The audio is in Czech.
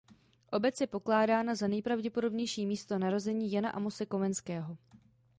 Obec je pokládána za nejpravděpodobnější místo narození Jana Amose Komenského.